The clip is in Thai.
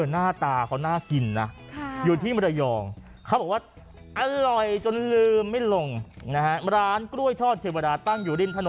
น่ากินน่ะอยู่ที่มระยองเขาบอกว่าอร่อยจนลืมไม่ลง